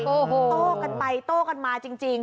โต้กันไปโต้กันมาจริง